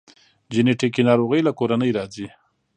جنیټیکي ناروغۍ له کورنۍ راځي